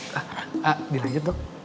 hah ha ha ha dilanjut dok